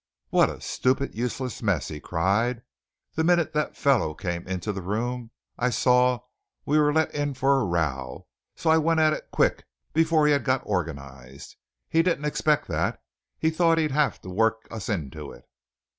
"What a stupid, useless mess!" he cried. "The minute that fellow came into the room I saw we were let in for a row; so I went at it quick before he had got organized. He didn't expect that. He thought he'd have to work us into it."